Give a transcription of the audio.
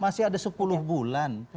masih ada sepuluh bulan